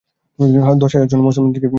দশ হাজার সৈন্য মুসলমানদেরকে পিষ্ট করে ফেলবে।